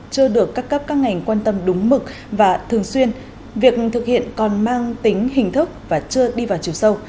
chưa được các cấp các ngành quan tâm đúng mực và thường xuyên việc thực hiện còn mang tính hình thức và chưa đi vào chiều sâu